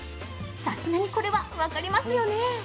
さすがに、これは分かりますよね。